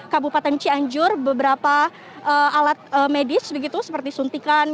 kabupaten cianjur beberapa alat medis begitu seperti suntikan